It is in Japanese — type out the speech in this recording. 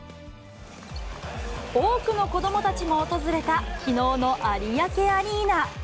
多くの子どもたちも訪れたきのうの有明アリーナ。